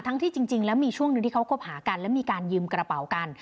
ที่จริงแล้วมีช่วงหนึ่งที่เขาคบหากันและมีการยืมกระเป๋ากัน